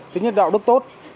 thứ nhất là đạo đức tốt